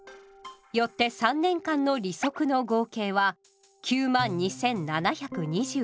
よって３年間の利息の合計は９万２，７２７円。